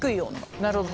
なるほど。